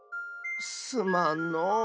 すまんのう。